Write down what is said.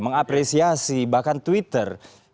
mengapresiasi bahkan twitter